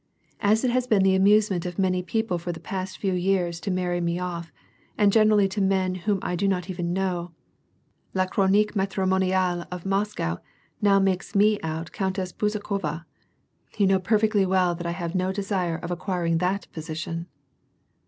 As it has been the amusement of many people for the past few years to marry me off, and generally to men whom I do not even know, la Chronique matrimoniale of Moscow now makes me out Coun tess Bezukhova. You know perfectly well that I have no desire of acquiring that position